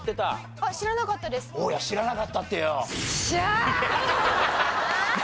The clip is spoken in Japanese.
大家知らなかったってよ。